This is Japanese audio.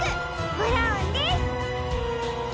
ブラウンです！